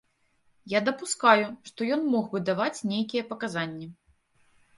Я дапускаю, што ён мог бы даваць нейкія паказанні.